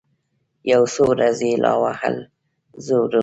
یو څو ورځي یې لا ووهل زورونه